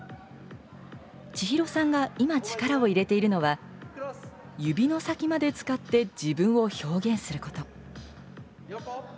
千尋さんが今、力を入れているのは、指の先まで使って自分を表現すること。